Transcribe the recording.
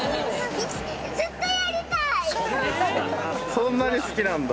そんなに好きなんだ。